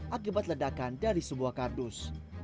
akibat ledakan dari sebuah kardus